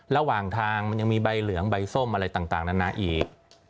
ระหว่างทางมันยังมีใบเหลืองใบส้มอะไรต่างนานาอีก